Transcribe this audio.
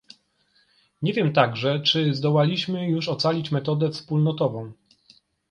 Nie wiem także, czy zdołaliśmy już ocalić metodę wspólnotową